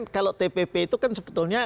kalau tpp itu kan sebetulnya